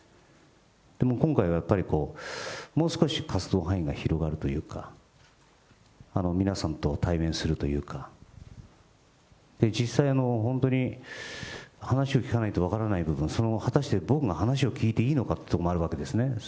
でも今回やっぱり、もう少し活動範囲が広がるというか、皆さんと対面するというか、実際、本当に、話を聞かないと分からない部分、そのまま、果たして僕が話を聞いていいのかというところもあるわけですね。